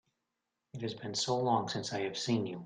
It has been so long since I have seen you!